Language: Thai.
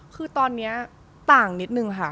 คือตอนนี้ต่างนิดนึงค่ะ